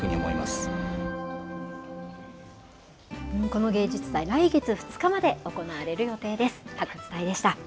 この芸術祭、来月２日まで行われる予定です。